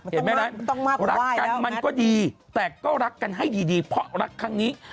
เห็นไหมล่ะรักกันมันก็ดีแต่ก็รักกันให้ดีเพราะรักครั้งนี้